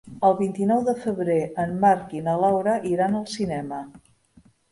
El vint-i-nou de febrer en Marc i na Laura iran al cinema.